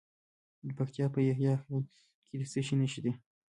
د پکتیکا په یحیی خیل کې د څه شي نښې دي؟